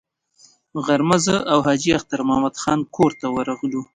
غرمه زه او حاجي اختر محمد خان کور ته ورغلو.